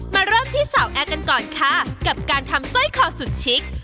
มาเริ่มที่สาวแอร์กันก่อนค่ะกับการทำสร้อยคอสุดชิค